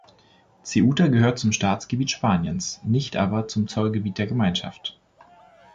Ceuta gehört zum Staatsgebiet Spaniens, nicht aber zum Zollgebiet der Gemeinschaft.